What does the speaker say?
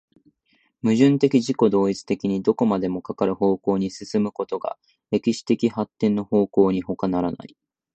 矛盾的自己同一的にどこまでもかかる方向に進むことが歴史的発展の方向にほかならない。